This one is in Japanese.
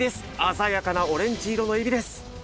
鮮やかなオレンジ色のエビです